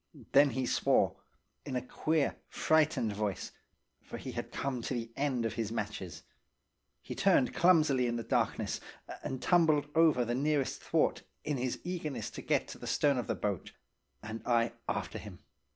Then he swore, in a queer frightened voice, for he had come to the end of his matches. He turned clumsily in the darkness, and tumbled over the nearest thwart, in his eagerness to get to the stern of the boat; and I after him.